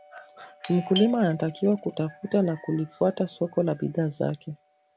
Mkulima anatakiwa kutafuta na kulifuata soko la bidhaa zake